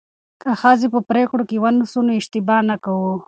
که ښځې په پریکړو کې ونیسو نو اشتباه نه کوو.